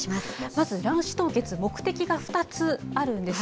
まず卵子凍結、目的が２つあるんです。